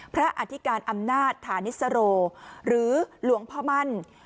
อธิการอำนาจฐานิสโรหรือหลวงพ่อมั่น